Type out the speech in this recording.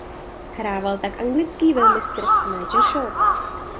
Hrával tak anglický velmistr Nigel Short.